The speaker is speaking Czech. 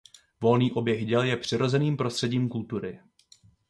Volný oběh děl je přirozeným prostředím kultury.